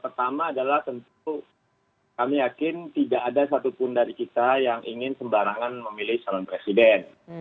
pertama adalah tentu kami yakin tidak ada satupun dari kita yang ingin sembarangan memilih calon presiden